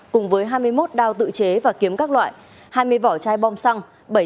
cùng với hai mươi một đao tự chế và kiếm các loại hai mươi vỏ chai bom xăng bảy xe máy